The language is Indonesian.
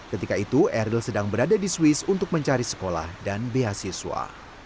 ketika itu eril sedang berada di swiss untuk mencari sekolah dan beasiswa